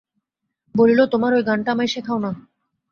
বলিল, তোমার ওই গানটা আমায় শেখাও না?